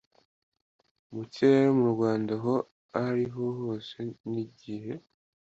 mu kirere mu rwanda aho ari ho hose n igihe